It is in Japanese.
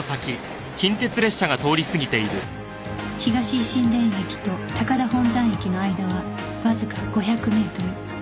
東一身田駅と高田本山駅の間はわずか５００メートル